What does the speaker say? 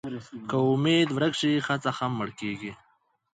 که امېد ورک شي، هڅه هم مړه کېږي.